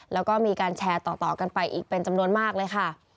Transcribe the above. แล้วก็มีการแชร์ต่อกันไปอีกเป็นจำนวนมากเลยค่ะ